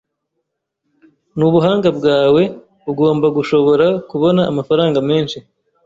Nubuhanga bwawe, ugomba gushobora kubona amafaranga menshi.